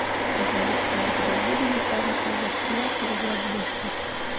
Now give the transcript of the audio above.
افغانستان کې د منی لپاره دپرمختیا پروګرامونه شته.